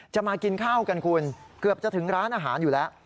มากินข้าวกันคุณเกือบจะถึงร้านอาหารอยู่แล้ว